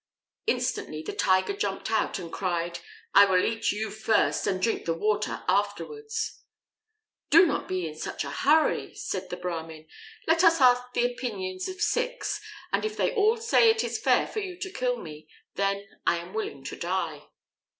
Instantly the Tiger jumped out, and cried, "I will eat you first and drink the water afterwards." "Do not be in such a hurry," said the Brahmin. "Let us ask the opinions of six, and, if they all say it is fair for you to kill me, then I am willing to die."